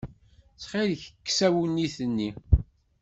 Ttxilek, kkes awennit-nni.